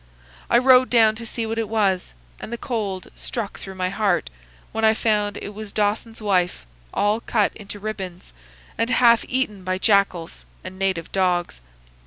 I rode down to see what it was, and the cold struck through my heart when I found it was Dawson's wife, all cut into ribbons, and half eaten by jackals and native dogs.